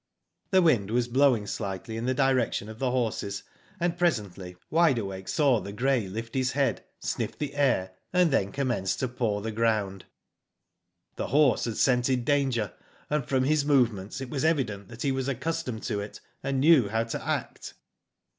"The wind was blowing slightly in the direction of the horses, and presently Wide Awake saw the Digitized byGoogk 96 WHO DID IT? grey lift his head, sniff the air, and then com mence to paw the ground. "The horse had scented danger, and from his movements it was evident he was accustomed to it, and knew how to act.